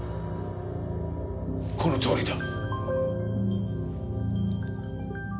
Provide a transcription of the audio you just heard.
このとおりだ。